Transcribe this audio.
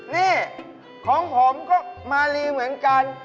นี่ของผมก็มาลีเหมือนกัน